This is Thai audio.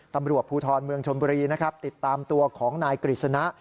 ตำรวจภูทรเมืองชนบุรีนะครับติดตามตัวของนายกฤษณะ